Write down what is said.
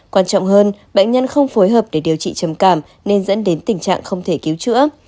quan trọng hơn bệnh nhân không phối hợp để điều trị trầm cảm nên dẫn đến tình trạng không thể cứu chữa